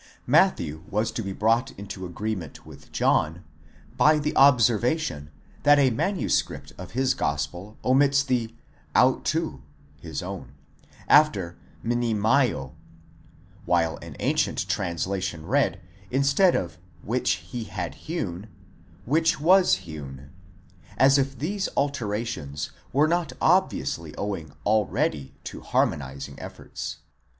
Matthew was to be brought into agreement with John by the obser vation, that a manuscript of his gospel omits the αὑτοῦ (Ais own) after μνημείῳ ; while an ancient translation read, instead of ὃ ἐλατόμησεν (which he had hewn),—® ἦν λελατομημένον (which was hewn):'* as if these alterations were not obviously owing already to harmonizing efforts.